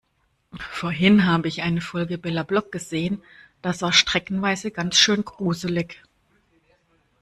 Vorhin habe ich eine Folge Bella Block gesehen, das war streckenweise ganz schön gruselig.